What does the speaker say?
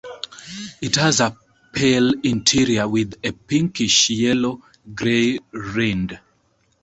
It has a pale interior with a pinkish, yellow-grey rind.